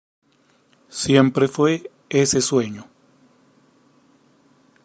Siempre fue ese sueño".